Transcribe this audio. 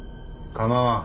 構わん。